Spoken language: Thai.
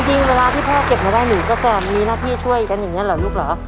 เวลาที่พ่อเก็บมาได้หนูก็จะมีหน้าที่ช่วยกันอย่างนี้เหรอลูกเหรอ